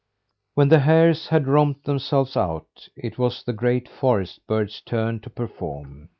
When the hares had romped themselves out, it was the great forest birds' turn to perform.